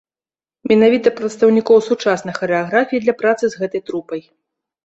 Менавіта прадстаўнікоў сучаснай харэаграфіі для працы з гэтай трупай.